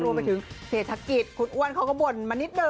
รวมไปถึงเศรษฐกิจคุณอ้วนเขาก็บ่นมานิดนึ